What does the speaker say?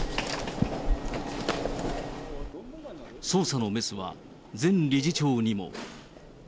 捜査のメスは、前理事長にも。